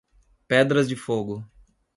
Pedras de Fogo